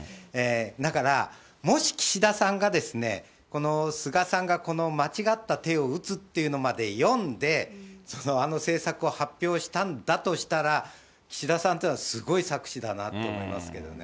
だから、もし岸田さんが、菅さんが間違った手を打つっていうのまで読んで、あの政策を発表したんだとしたら、岸田さんっていうのはすごい策士だなって思いますけどね。